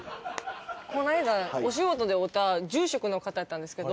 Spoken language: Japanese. この間お仕事で会うた住職の方やったんですけど